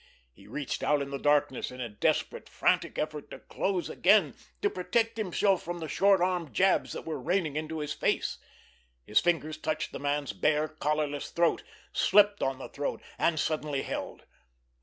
He reached out in the darkness in a desperate, frantic effort to close again, to protect himself from the short arm jabs that were raining into his face. His fingers touched the man's bare, collarless throat, slipped on the throat—and suddenly held.